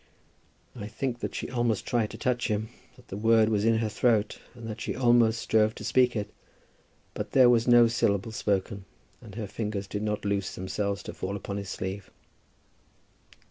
I think that she almost tried to touch him; that the word was in her throat, and that she almost strove to speak it. But there was no syllable spoken, and her fingers did not loose themselves to fall upon his sleeve.